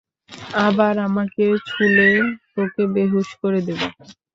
আবার আমাকে ছুঁলে, তোকে বেহুঁশ করে দেবো!